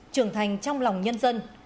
trưởng thành trong lòng nhân dân